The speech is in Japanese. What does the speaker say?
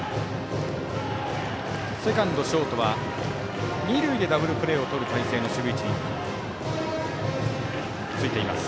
セカンド、ショートは二塁でダブルプレーをとる体制の守備位置についています。